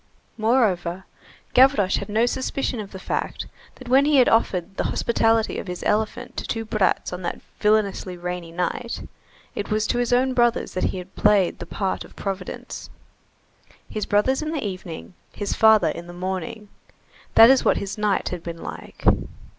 Moreover, Gavroche had no suspicion of the fact that when he had offered the hospitality of his elephant to two brats on that villainously rainy night, it was to his own brothers that he had played the part of Providence. His brothers in the evening, his father in the morning; that is what his night had been like.